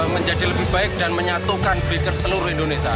menjadi lebih baik dan menyatukan bikers seluruh indonesia